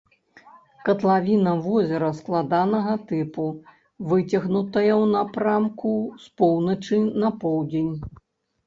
Катлавіна возера складанага тыпу, выцягнутая ў напрамку з поўначы на поўдзень.